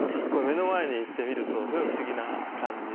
目の前に行って見ると不思議な感じで。